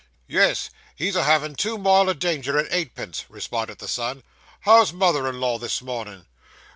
'Yes, he's a havin' two mile o' danger at eight pence,' responded the son. 'How's mother in law this mornin'?